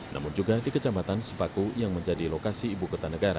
namun juga di kecamatan sepaku yang menjadi lokasi ibu kota negara